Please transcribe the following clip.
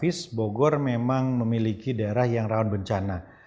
secara geografis bogor memang memiliki daerah yang rawan bencana